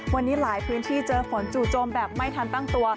วันนี้หลายพื้นที่เจอฝนจู่โจมแบบไม่ทันตั้งตัว